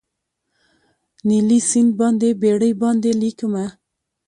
نیلي سیند باندې بیړۍ باندې لیکمه